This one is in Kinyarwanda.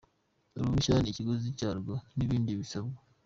Uruhushya n’ikiguzi cyarwo n’ibindi bisabwa